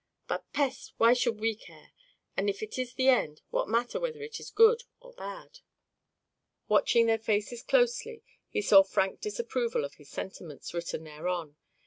But, peste! why should we care? If it is the end, what matter whether it is good or bad?" Watching their faces closely, he saw frank disapproval of his sentiments written thereon.